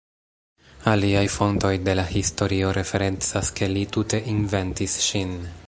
Aliaj fontoj de la historio referencas ke li tute inventis ŝin.